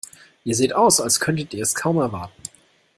Ihr seht aus, als könntet ihr es kaum erwarten.